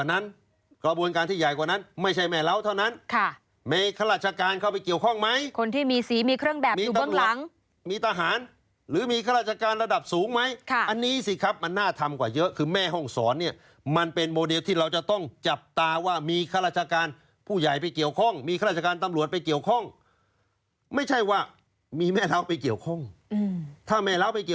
มีข้าราชการเข้าไปเกี่ยวข้องมั้ยคนที่มีสีมีเครื่องแบบอยู่บ้างหลังมีตาหารหรือมีข้าราชการระดับสูงมั้ยอันนี้สิครับมันน่าทำกว่าเยอะคือแม่ห้องสอนเนี่ยมันเป็นโมเดลที่เราจะต้องจับตาว่ามีข้าราชการผู้ใหญ่ไปเกี่ยวข้องมีข้าราชการตำรวจไปเกี่ยวข้องไม่ใช่ว่ามีแม่เล้าไปเกี่ยวข้องถ้าแม่เล้าไปเกี่